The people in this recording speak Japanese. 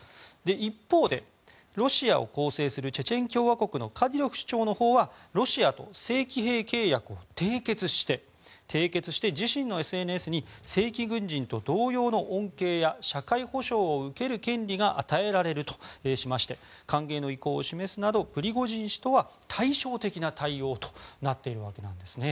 一方、ロシアを構成するチェチェン共和国のカディロフ首長のほうはロシアと正規兵契約を締結して、自身のＳＮＳに正規軍人と同様の恩恵や社会保障を受ける権利が与えられるとしまして歓迎の意向を示すなどプリゴジン氏とは対照的な対応となっているわけです。